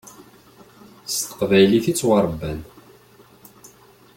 S teqbaylit i ttwaṛebban.